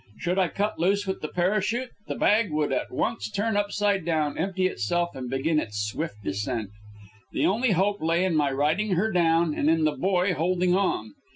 Should I cut loose with the parachute, the bag would at once turn upside down, empty itself, and begin its swift descent. The only hope lay in my riding her down and in the boy holding on.